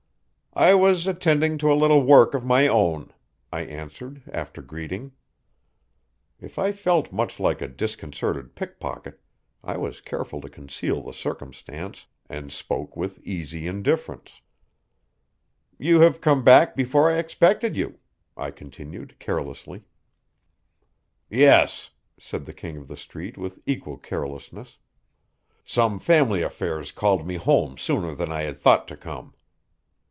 "I was attending to a little work of my own," I answered, after greeting. If I felt much like a disconcerted pickpocket I was careful to conceal the circumstance, and spoke with easy indifference. "You have come back before I expected you," I continued carelessly. "Yes," said the King of the Street with equal carelessness. "Some family affairs called me home sooner than I had thought to come."